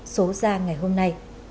hội đồng bầu cử